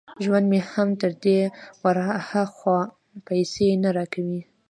ژوند مې هم تر دې ور ها خوا پیسې نه را کوي